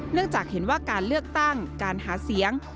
จากเห็นว่าการเลือกตั้งการหาเสียง